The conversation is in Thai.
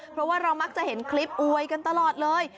เพราะว่าเรามักจะเห็นคลิปอวยกันตลอดเลย